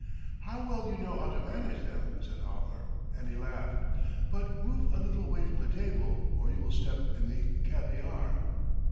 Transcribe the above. "How well you know how to manage them!" said Almer, and he laughed. "But ... move a little away from the table or you will step in the caviare."